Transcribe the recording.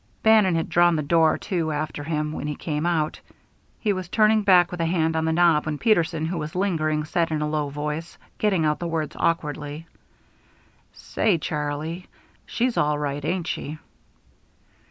Bannon had drawn the door to after him when he came out. He was turning back, with a hand on the knob, when Peterson, who was lingering, said in a low voice, getting out the words awkwardly: "Say, Charlie, she's all right, ain't she."